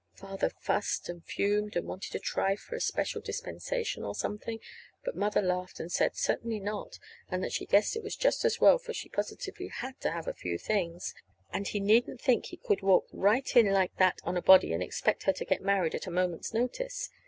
Father fussed and fumed, and wanted to try for a special dispensation, or something; but Mother laughed, and said certainly not, and that she guessed it was just as well, for she positively had to have a few things; and he needn't think he could walk right in like that on a body and expect her to get married at a moment's notice.